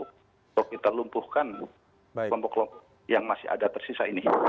untuk kita lumpuhkan kelompok kelompok yang masih ada tersisa ini